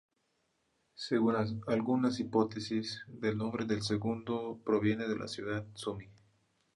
Según algunas hipótesis, del nombre del segundo proviene el de la ciudad: Sumy.